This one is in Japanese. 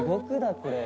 これ。